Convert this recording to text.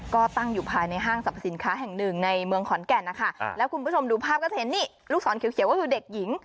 ก็ตั้งอยู่ภายในห้างสรรพสินค้าแห่งหนึ่งในเมืองขอนแก่นนะคะแล้วคุณผู้ชมดูภาพก็จะเห็นนี่ลูกศรเขียวก็คือเด็กหญิง